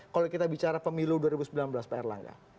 kalau kita bicara pemilu dua ribu sembilan belas pak erlangga